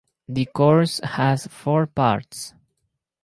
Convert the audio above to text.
The course has four parts.